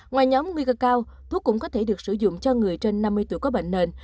ngoài nhóm nguy cơ cao thuốc cũng có thể được sử dụng cho người trên năm mươi tuổi có bệnh nền